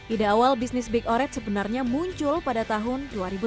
ide awal bisnis big oret sebenarnya muncul pada tahun dua ribu sembilan belas